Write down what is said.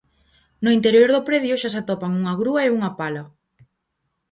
No interior do predio xa se atopan unha grúa e unha pala.